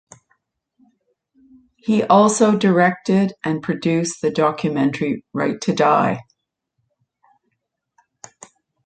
He also directed and produced the documentary Right to Die?